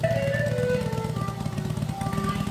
د جامو مینځل او اوتو کول مه هېروئ.